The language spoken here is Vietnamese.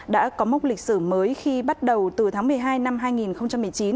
đã có mốc lịch sử mới khi bắt đầu từ tháng một mươi hai năm hai nghìn một mươi chín